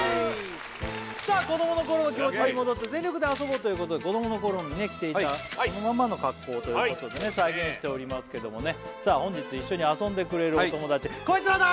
さあ子どもの頃の気持ちに戻って全力で遊ぼうということで子どもの頃にね着ていたそのままの格好ということでね再現しておりますけどもねさあ本日一緒に遊んでくれるお友達こいつらだ！